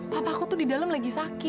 papa aku tuh di dalam lagi sakit